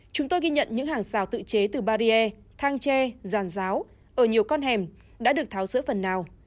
chúng tôi ghi nhận những hàng rào tự chế từ barriere thang tre giàn ráo ở nhiều con hẻm đã được tháo dỡ phần nào